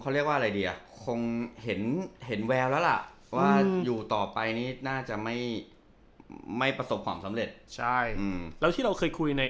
แล้วแล้วล่ะว่าอยู่ต่อไปนี่น่าจะไม่ไม่ประสบความสำเร็จใช่อืมแล้วที่เราเคยคุยใน